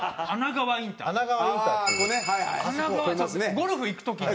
ゴルフ行く時に。